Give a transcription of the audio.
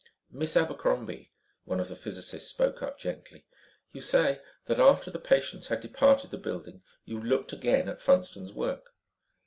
"Miss Abercrombie," one of the physicists spoke up gently, "you say that after the patients had departed the building, you looked again at Funston's work?"